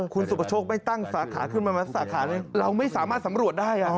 คุณสุประโชคไม่ตั้งสาขาขึ้นมาสาขานี้เราไม่สามารถสำรวจได้